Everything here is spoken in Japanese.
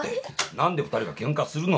何で２人がけんかするの。